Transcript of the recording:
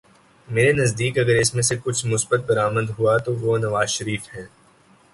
میرے نزدیک اگر اس میں سے کچھ مثبت برآمد ہوا تو وہ نواز شریف ہیں۔